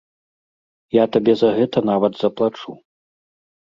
Я табе за гэта нават заплачу.